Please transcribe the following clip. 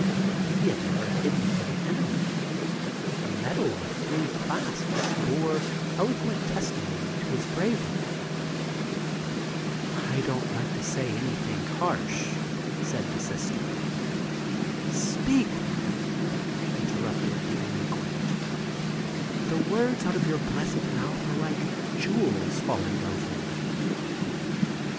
He had never hidden from the enemy; a medal with three clasps bore eloquent testimony to his bravery. "I don't like to say anything harsh," said the Sister. "Speak, ma'am," interrupted the delinquent; "the words out of your blessed mouth are like jewels falling over me."